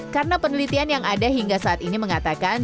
karena penelitian yang ada hingga saat ini mengatakan